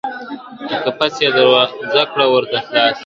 د قفس یې دروازه کړه ورته خلاصه !.